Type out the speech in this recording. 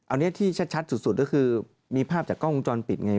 อันนี้ที่ชัดสุดก็คือมีภาพจากกล้องวงจรปิดไง